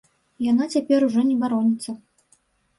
Яна цяпер ужо не бароніцца.